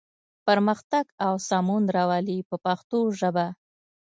پرمختګ او سمون راولي په پښتو ژبه.